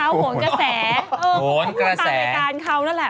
ภูมิตามรายการเขานั่นแหละ